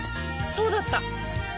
そうだった！